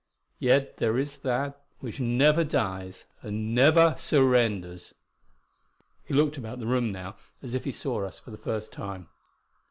Yet there is that which never dies and never surrenders." He looked about the room now, as if he saw us for the first time.